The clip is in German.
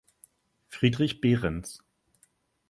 Friedrich Behrens.